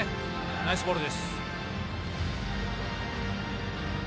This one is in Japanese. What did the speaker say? ナイスボールです。